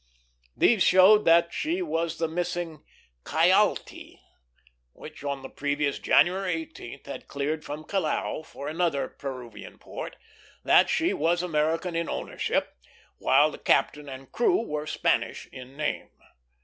These showed that she was the missing Cayalti, which on the previous January 18th had cleared from Callao for another Peruvian port; that she was American in ownership, while the captain and crew were Spanish in name.